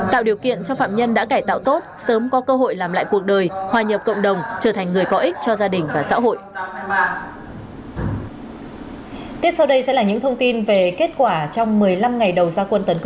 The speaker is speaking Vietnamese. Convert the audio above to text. tạo điều kiện cho phạm nhân đã cải tạo tốt sớm có cơ hội làm lại cuộc đời hòa nhập cộng đồng trở thành người có ích cho gia đình và xã hội